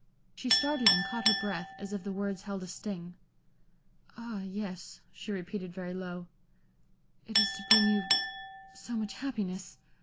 She started and caught her breath, as if the words held a sting. "Ah, yes," she repeated, very low "it is to bring you so much happiness!"